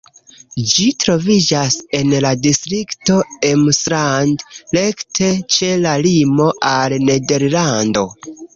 Ĝi troviĝas en la distrikto Emsland, rekte ĉe la limo al Nederlando.